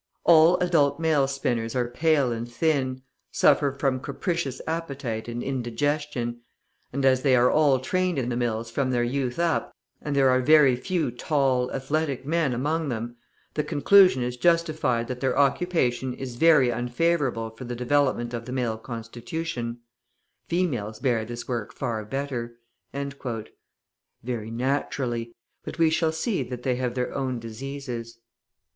All adult male spinners are pale and thin, suffer from capricious appetite and indigestion; and as they are all trained in the mills from their youth up, and there are very few tall, athletic men among them, the conclusion is justified that their occupation is very unfavourable for the development of the male constitution; females bear this work far better." (Very naturally. But we shall see that they have their own diseases.)